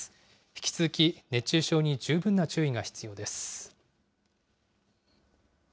引き続き熱中症に十分な注意が必要です。